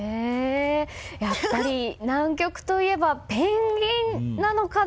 やっぱり、南極といえばペンギンなのかな？